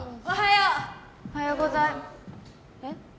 おはようおはようござえっ？